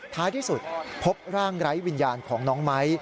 ท้ายที่สุดพบร่างไร้วิญญาณของน้องไม้